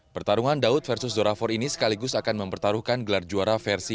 pertarungan daud versus zorafor ini sekaligus akan mempertaruhkan gelar juara versi